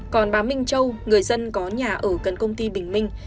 còn bà minh châu người dân có nhà ở cần công ty bình minh